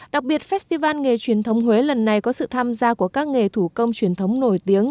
đặc biệt festival nghề truyền thống huế lần này có sự tham gia của các nghề thủ công truyền thống nổi tiếng